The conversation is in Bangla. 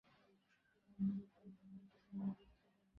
বিবাহের অনতিবিলম্বে স্ত্রীকে পশ্চিমে লইয়া গেল।